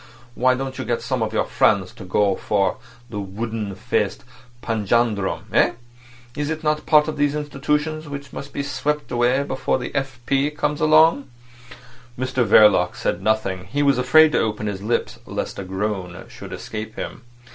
Why don't you get some of your friends to go for that wooden faced panjandrum—eh? Is it not part of these institutions which must be swept away before the F. P. comes along?" Mr Verloc said nothing. He was afraid to open his lips lest a groan should escape him.